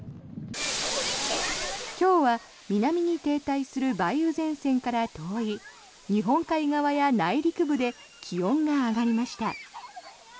今日は南に停滞する梅雨前線から遠い日本海側や内陸部で気温が上がりました。